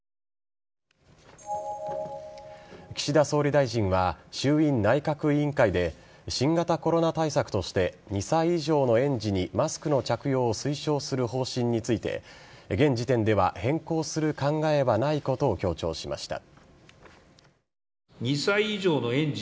岸田総理大臣は衆院内閣委員会で新型コロナ対策として２歳以上の園児にマスクの着用を推奨する方針について現時点では変更する考えはないことを強調しました。